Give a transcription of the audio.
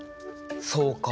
そうか。